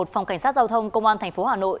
phòng cảnh sát giao thông công an thành phố hà nội